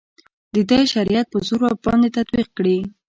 د ده شریعت په زور ورباندې تطبیق کړي.